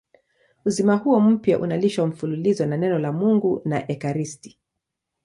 Uzima huo mpya unalishwa mfululizo na Neno la Mungu na ekaristi.